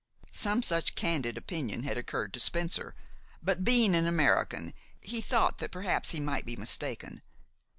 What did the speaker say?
Some such candid opinion had occurred to Spencer; but, being an American, he thought that perhaps he might be mistaken.